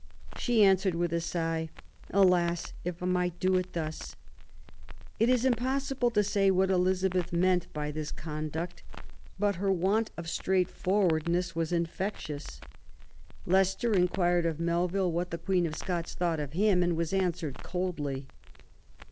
She answered with a sigh :Alas, if I might do it thus !" It is impossible to say what Elizabeth meant by this conduct ; but her want of straightforwardness was infectious. Leicester inquired of Melville what the Queen of Scots thought of him, and was answered coldly.